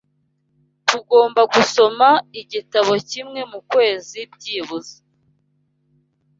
Tugomba gusoma igitabo kimwe mukwezi byibuze.